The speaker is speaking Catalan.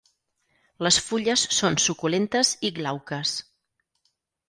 Les fulles són suculentes i glauques.